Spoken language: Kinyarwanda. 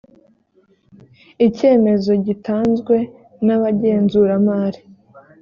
icyemezo gitanzwe n’abagenzuramari